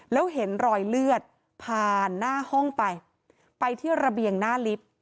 แล้วเห็นรอยเลือดผ่านหน้าห้องไปไปที่ระเบียงหน้าลิฟต์